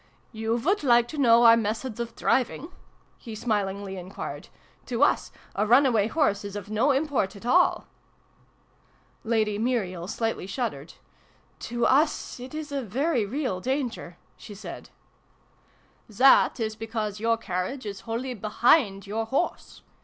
" You would like to know our methods of driving?" he smilingly enquired. "To us, a run away horse is of no import at all !" Lady Muriel slightly shuddered. " To us it is a very real danger," she said. " That is because your carriage is wholly behind your horse.